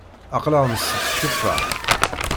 Aql-aɣ ntett tteffaḥ.